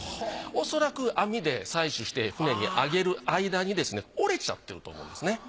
おそらく網で採取して船に揚げる間にですね折れちゃってると思うんですね。